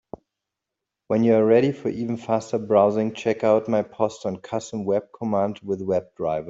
When you are ready for even faster browsing, check out my post on Custom web commands with WebDriver.